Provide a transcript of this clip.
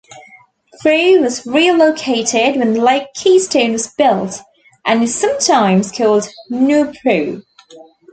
Prue was relocated when Lake Keystone was built, and is sometimes called "New Prue".